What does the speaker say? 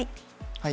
はい。